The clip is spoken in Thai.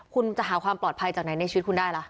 คุณจะหาความปลอดภัยจากไหนในชีวิตคุณได้ล่ะ